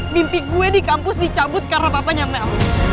mimpi gue di kampus dicabut karena papanya mel